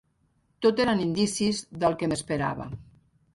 Tot eren indicis del que m'esperava.